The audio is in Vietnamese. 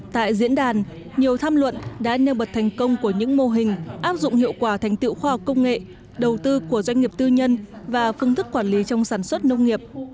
tại diễn đàn nhiều tham luận đã nêu bật thành công của những mô hình áp dụng hiệu quả thành tựu khoa học công nghệ đầu tư của doanh nghiệp tư nhân và phương thức quản lý trong sản xuất nông nghiệp